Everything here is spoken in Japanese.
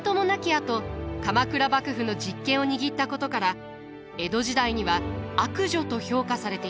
あと鎌倉幕府の実権を握ったことから江戸時代には悪女と評価されていました。